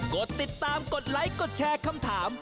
กดติดตามกดไลค์กดแชร์คำถาม